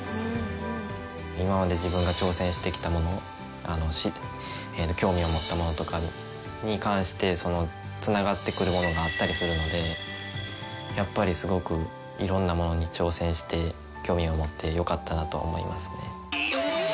今まで自分が。とかに関してつながってくるものがあったりするのでやっぱりすごくいろんなものに挑戦して興味を持ってよかったなとは思いますね。